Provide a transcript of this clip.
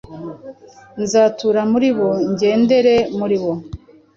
Nzatura muri bo, ngendere muri bo